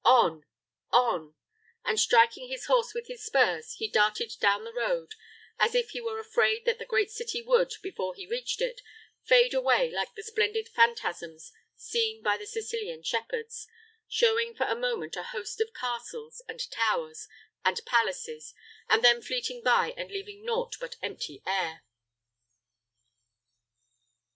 On! on!" and striking his horse with his spurs, he darted down the road, as if he were afraid that the great city would, before he reached it, fade away like the splendid phantasms seen by the Sicilian shepherds, showing for a moment a host of castles, and towers, and palaces, and then fleeting by, and leaving nought but empty air!